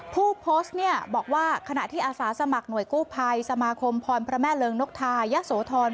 ผู้โพสต์เนี่ยบอกว่าขณะที่อาสาสมัครหน่วยกู้ภัยสมาคมพรพระแม่เริงนกทายะโสธร